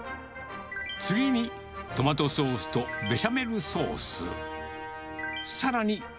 次にトマトソースとベシャメルソース。